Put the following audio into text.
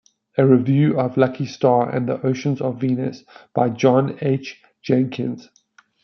A review of "Lucky Starr and the Oceans of Venus" by John H. Jenkins.